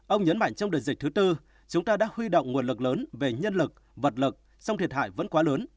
ông nhấn mạnh trong đợt dịch thứ tư chúng ta đã huy động nguồn lực lớn về nhân lực vật lực song thiệt hại vẫn quá lớn